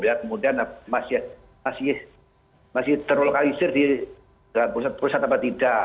lihat kemudian masih terlokalisir di dalam proses atau tidak